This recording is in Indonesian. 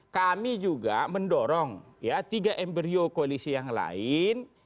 kami juga mendorong ya tiga embryo koalisi yang lain